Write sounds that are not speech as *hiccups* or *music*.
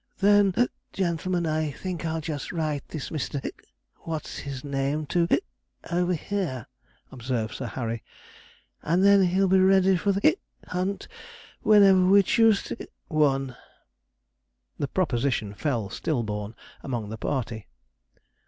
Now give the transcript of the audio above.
'Then, *hiccups* gentlemen, I think I'll just write this Mr. *hiccups* What's his name to *hiccups* over here,' observed Sir Harry, 'and then he'll be ready for the *hiccups* hunt whenever we choose to *hiccups* one.' The proposition fell still born among the party.